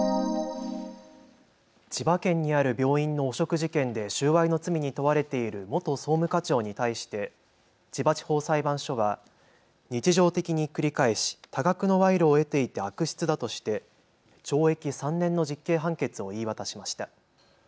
千葉県にある病院の汚職事件で収賄の罪に問われている元総務課長に対して千葉地方裁判所は日常的に繰り返し多額の賄賂を得ていて悪質だとして懲役３年の実刑判決を言い渡しました。